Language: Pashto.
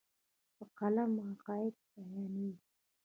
په قلم عقاید بیانېږي.